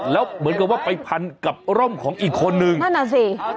แล้วเหมือนกับว่าไปพันกับร่มของอีกคนนึงนั่นน่ะสิ